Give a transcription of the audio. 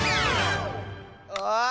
ああ！